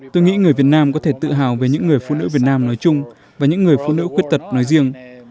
tôi nghĩ người việt nam có thể tự hào về những người phụ nữ việt nam nói chung và những người phụ nữ khuyết tật nói riêng